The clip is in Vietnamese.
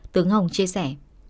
tướng hồng chia sẻ